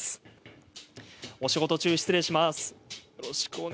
お仕事中、失礼します。